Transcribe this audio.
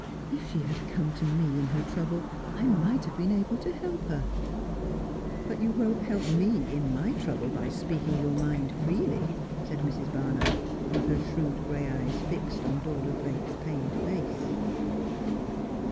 If she had come to me in her trouble I might have been able to help her.' ' But you won't help me in my trouble by speaking your mind freely,' said Mrs. Barnard, with her shrewd gray eyes fixed on Dora Blake's pained face.